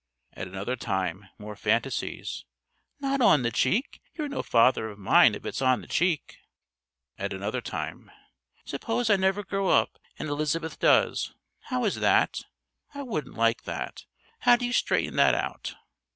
" At another time more fantasies: "... Not on the cheek! You're no father of mine if it's on the cheek...._" At another time: "... _Suppose I never grow up and Elizabeth does. How is that? I wouldn't like that. How do you straighten that out?